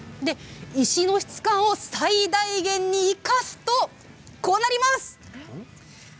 石の質感を最大限に生かすとこうなります。